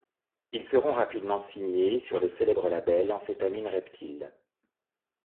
Ils seront rapidement signés sur le célèbre label Amphetamine Reptile.